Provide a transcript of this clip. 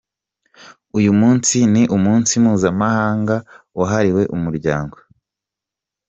Uyu munsi ni umunsi mpuzamahanga wahariwe umuryango.